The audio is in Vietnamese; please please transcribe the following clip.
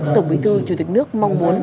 tổng bí thư chủ tịch nước mong muốn